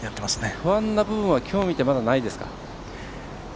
不安な部分はきょうを見て、ないですか？